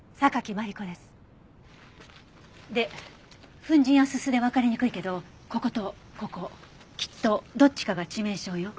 で粉塵や煤でわかりにくいけどこことここ。きっとどっちかが致命傷よ。